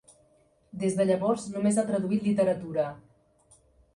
Des de llavors, només ha traduït literatura.